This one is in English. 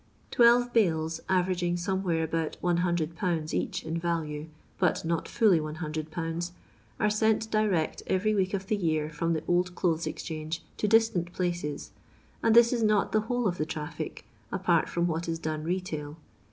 Twelve bales, averaginff somewhere about lOOL each in value, but not fully 100/., are sent direct every week of the year from the Old Clothea Exchange to distant pkoes, and this is not the whole of the traffic, apart from what is done retail.